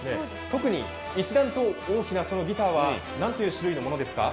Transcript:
特に一段と大きなギターは何という種類のものですか？